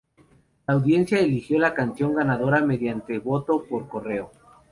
La audiencia eligió la canción ganadora mediante voto por correo.